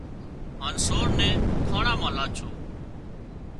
هانَ سور نين ٿاڻان مان لاڇو